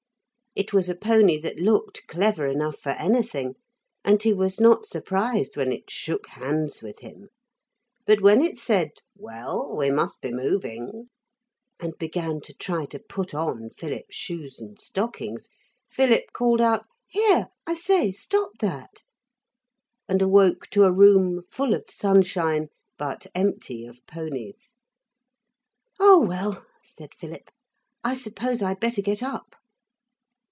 It was a pony that looked clever enough for anything, and he was not surprised when it shook hands with him; but when it said, 'Well, we must be moving,' and began to try to put on Philip's shoes and stockings, Philip called out, 'Here, I say, stop that,' and awoke to a room full of sunshine, but empty of ponies. 'Oh, well,' said Philip, 'I suppose I'd better get up.'